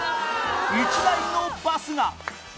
１台のバスが！